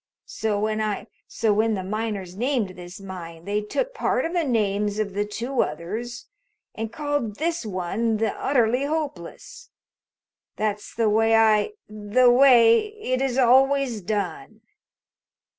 So when I so when the miners named this mine they took part of the names of the two others and called this one the Utterly Hopeless. That's the way I the way it is always done."